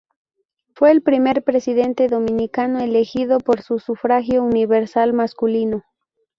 Fue el primer presidente dominicano elegido por sufragio universal masculino.